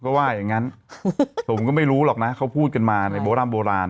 ก็ว่าอย่างงั้นผมก็ไม่รู้หรอกนะเขาพูดกันมาในโบร่ำโบราณ